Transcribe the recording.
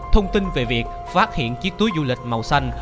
thông tin về việc phát hiện chiếc túi du lịch màu xanh